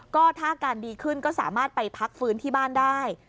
ก็ถ้าอาการดีขึ้นก็สามารถไปพักฟื้นที่บ้านได้